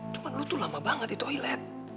cuma lo tuh lama banget di toilet